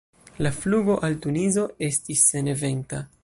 La flugo al Tunizo estis seneventa.